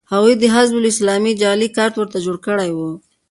هغوی د حزب اسلامي جعلي کارت ورته جوړ کړی و